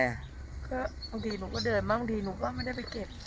ก็บางทีหนูก็เดินบางทีหนูก็ไม่ได้ไปเก็บ